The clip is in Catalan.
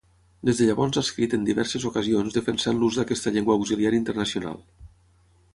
Des de llavors ha escrit en diverses ocasions defensant l'ús d'aquesta llengua auxiliar internacional.